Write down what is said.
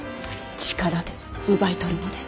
力で奪い取るのです。